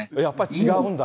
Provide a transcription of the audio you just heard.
やっぱり、全然違う？